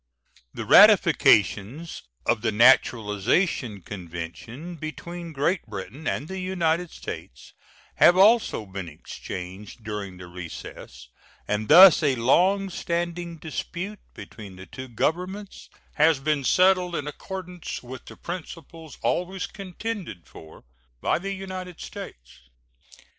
The ratifications of the naturalization convention between Great Britain and the United States have also been exchanged during the recess, and thus a long standing dispute between the two Governments has been settled in accordance with the principles always contended for by the United States.